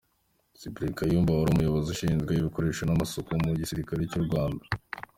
Cyprien Kayumba wari Umuyobozi ushinzwe ibikoresho n’amasoko mu gisirikare cy’u Rwanda.